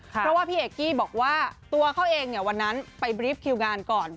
เพราะว่าพี่เอกกี้บอกว่าตัวเขาเองวันนั้นไปบรีฟคิวงานก่อน